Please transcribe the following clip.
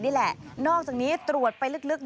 นี่แหละนอกจากนี้ตรวจไปลึก